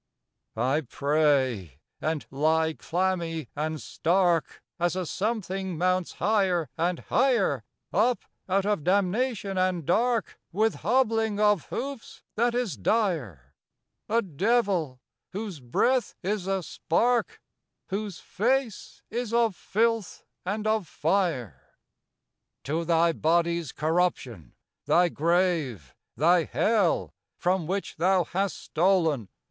I pray and lie clammy and stark, As a something mounts higher and higher, Up, out of damnation and dark, With hobbling of hoofs that is dire; A devil, whose breath is a spark, Whose face is of filth and of fire. "To thy body's corruption! thy grave! Thy hell! from which thou hast stolen!"